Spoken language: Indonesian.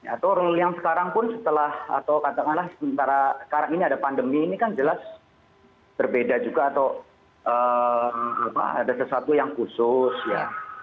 atau rule yang sekarang pun setelah atau katakanlah sementara sekarang ini ada pandemi ini kan jelas berbeda juga atau ada sesuatu yang khusus ya